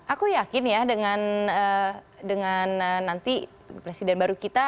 aku yakin ya dengan nanti presiden baru kita